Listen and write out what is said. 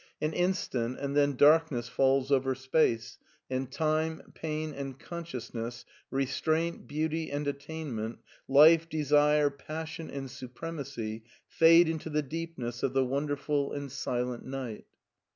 An instant, and then dark ness falls over space, and time, pain, and conscious ness, restraint, beauty, and attainment, life, desire, passion, and supremacy fade into the deepness of the wonderful and silent night.